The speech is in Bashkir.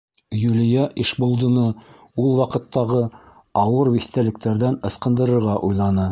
Юлия Ишбулдыны ул ваҡыттағы ауыр иҫтәлектәрҙән ысҡын-дырырға уйланы: